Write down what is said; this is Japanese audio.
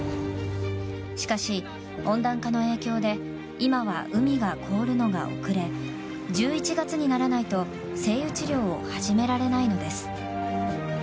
しかし、温暖化の影響で今は海が凍るのが遅れ１１月にならないとセイウチ猟を始められないのです。